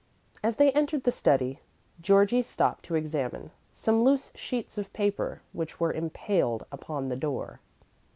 As they entered the study, Georgie stopped to examine some loose sheets of paper which were impaled upon the door.